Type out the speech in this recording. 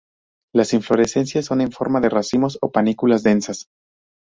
Las inflorescencias son en forma de racimos o panículas densas.